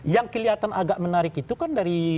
yang kelihatan agak menarik itu kan dari